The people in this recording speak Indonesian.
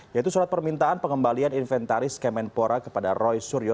yaitu surat permintaan pengembalian inventaris kemenpora kepada roy suryo